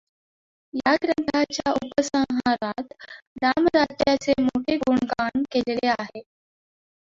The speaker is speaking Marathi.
या ग्रंथाच्या उपसंहारात रामराज्याचे मोठे गुणगान केलेले आहे.